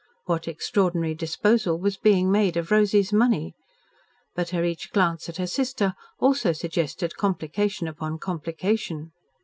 What extraordinary disposal was being made of Rosy's money? But her each glance at her sister also suggested complication upon complication.